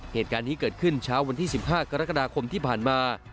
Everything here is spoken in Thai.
เหตุการณ์นี้เกิดขึ้นเช้าวันที่๑๕กรกฎาคมที่ผ่านมา